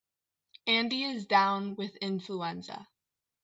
Andy is down with influenza.